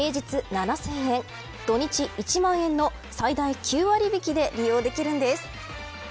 ７０００円土日、１万円の最大９割引で利用できるんです。